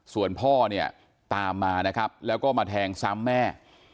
ส่วนพ่อเนี่ยตามมานะครับแล้วก็มาแทงซ้ำแม่